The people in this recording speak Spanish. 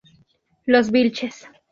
Los Vílchez